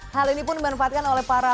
hal ini pun dimanfaatkan oleh para